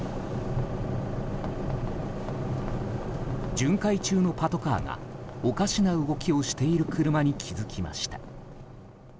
巡回中のパトカーがおかしな動きをしている車に気づきました。